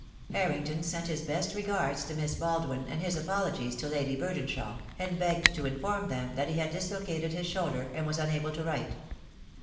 Harrington sent his best regards to Miss Baldwin and his apologies to Lady Burdenshaw, and begged to inform them that he had dislocated his shoulder, and was un able to write.